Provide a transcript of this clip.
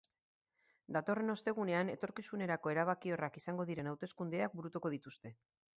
Datorren ostegunean etorkizunerako erabakiorrak izango diren hauteskundeak burutuko dituzte.